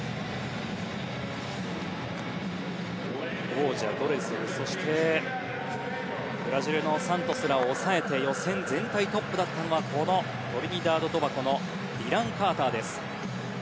王者ドレセルそしてブラジルのサントスらを抑えて予選全体トップだったのはこのトリニダード・トバゴのディラン・カーターです。